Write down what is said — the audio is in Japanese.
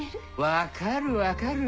分かる分かる！